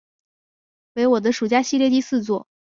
为我的暑假系列第四作。